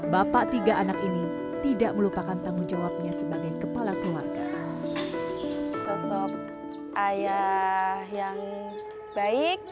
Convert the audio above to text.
bapak tiga anak ini tidak melupakan tanggung jawabnya sebagai kepala keluarga